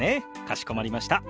かしこまりました。